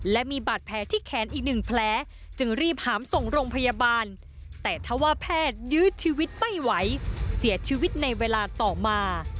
และมีบาดแผลที่แขนอีกหนึ่งแผลจึงรีบหามส่งโรงพยาบาลแต่ถ้าว่าแพทยื้อชีวิตไม่ไหวเสียชีวิตในเวลาต่อมา